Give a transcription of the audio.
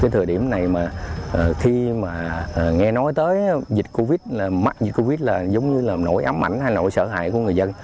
thời điểm này khi nghe nói tới dịch covid là giống như nỗi ám ảnh hay nỗi sợ hãi của người dân